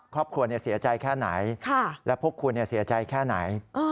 ครอบครัวเสียใจแค่ไหนและพวกคุณเสียใจแค่ไหน